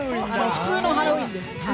普通のハロウィーンです。